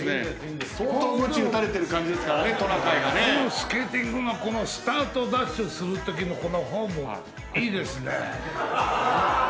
スケーティングのスタートダッシュするときのこのフォームいいですね。